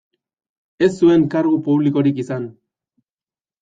Ez zuen kargu publikorik izan.